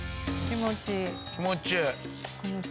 気持ちいい。